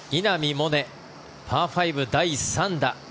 萌寧パー５、第３打。